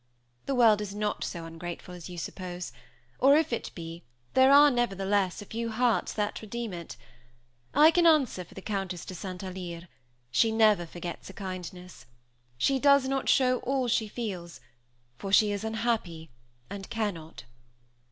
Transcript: "The world is not so ungrateful as you suppose; or if it be, there are, nevertheless, a few hearts that redeem it. I can answer for the Countess de St. Alyre, she never forgets a kindness. She does not show all she feels; for she is unhappy, and cannot."